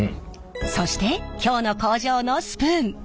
そして今日の工場のスプーン。